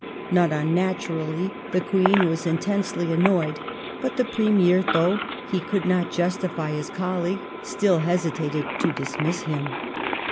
Not unnaturally, the Queen was intensely annoyed ; but the Premier, though he could not justify his colleague, still hesitated to dismiss him.